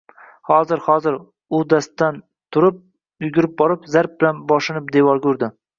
Hozir… Hozir!…» U dast o’rnidan turib, yugurib borib, zarb bilan boshini devorga urdi.